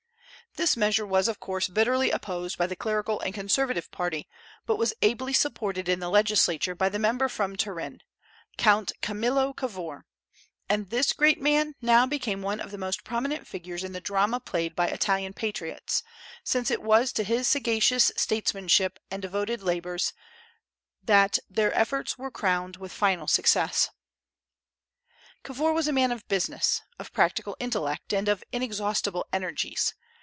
This measure was of course bitterly opposed by the clerical and conservative party, but was ably supported in the legislature by the member from Turin, Count Camillo Cavour; and this great man now became one of the most prominent figures in the drama played by Italian patriots, since it was to his sagacious statesmanship and devoted labors that their efforts were crowned with final success. Cavour was a man of business, of practical intellect, and of inexhaustible energies.